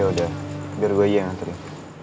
yaudah biar gue aja yang nganterin